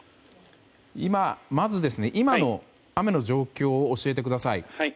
まず、今の雨の状況を教えてください。